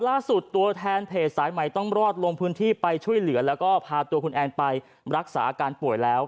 ตัวแทนเพจสายใหม่ต้องรอดลงพื้นที่ไปช่วยเหลือแล้วก็พาตัวคุณแอนไปรักษาอาการป่วยแล้ว